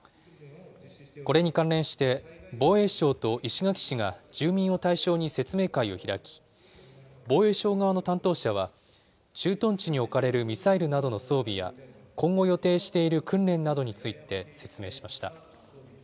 これに関連して、防衛省と石垣市が住民を対象に説明会を開き、防衛省側の担当者は、駐屯地に置かれるミサイルなどの装備や、今後予定している訓練などについて説明しました。